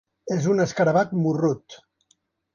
És un escarabat morrut.